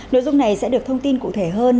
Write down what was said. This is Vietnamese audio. nội dung này sẽ được thông tin cụ thể hơn